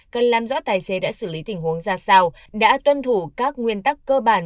cần làm rõ tài xế đã xử lý tình huống ra sao đã tuân thủ các nguyên tắc cơ bản